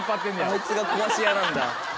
あいつが壊し屋なんだ。